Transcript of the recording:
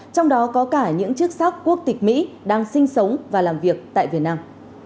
trong đó có cả những chức sắc quốc tịch mỹ đang sinh sống và làm việc tại việt nam